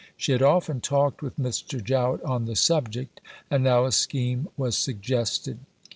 She had often talked with Mr. Jowett on the subject, and now a scheme was suggested.